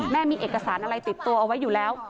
มีเอกสารอะไรติดตัวเอาไว้อยู่แล้ว